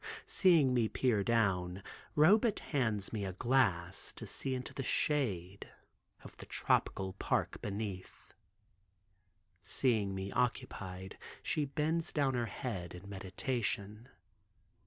Seeing me peer down Robet hands me a glass to see into the shade of the tropical park beneath. Seeing me occupied she bends down her head in meditation.